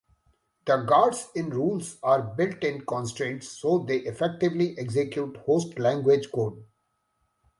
The guards in rules are built-in constraints, so they effectively execute host language code.